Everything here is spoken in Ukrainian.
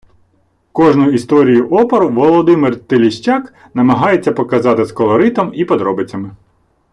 Кожну історію опору Володимир Тиліщак намагається показати з колоритом і подробицями.